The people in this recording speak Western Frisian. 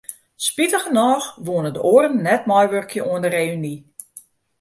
Spitigernôch woene de oaren net meiwurkje oan de reüny.